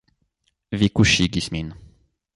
Vi kuŝigis min.